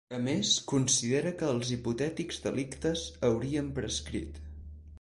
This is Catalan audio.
A més, considera que els ‘hipotètics delictes’ haurien prescrit.